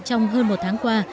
trong hơn một tháng qua